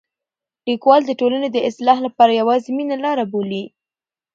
لیکوال د ټولنې د اصلاح لپاره یوازې مینه لاره بولي.